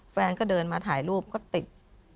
แฟนก็เดินมาถ่ายรูปก็ติด